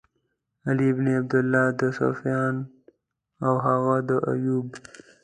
علی بن عبدالله، د سُفیان او هغه د ایوب.